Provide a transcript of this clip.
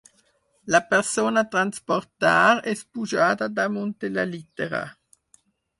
La persona a transportar és pujada damunt de la llitera.